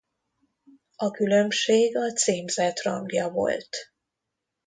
A különbség a címzett rangja volt.